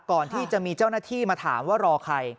ก่อนที่จะมีเจ้าหน้าที่มาถามว่ารอใคร